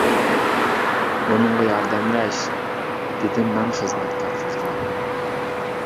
-ئۇنىڭغا ياردەملەش، -دېدىم مەن خىزمەتكار قىزغا.